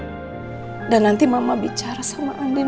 hai dan nanti mama bicara sama andin